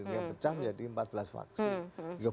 yang pecah menjadi empat belas vaksin